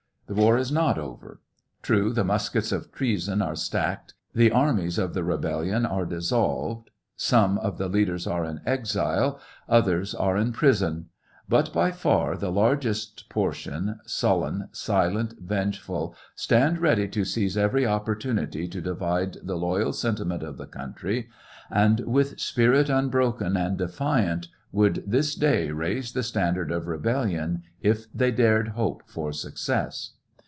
The war is not over. True, the muskets of treason arc stacked ; the armies of tlie rebellion are dissolved, some of the leaders are in exile, others are in prison ; but by far the largest portion, sullen, silent, vengeful, stand ready to seize every opportunity to divide the loyal sentiment of the country and with spirit unbroken and defiant, would this day raise the standard of rebellion if they dared hope for success.